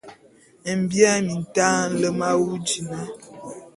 Mbia mintaé nlem awu dina!